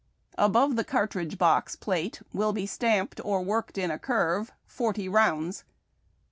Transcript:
Above the cartridge box phxte will be stamped or worked in a curve ' Forty Rounds.'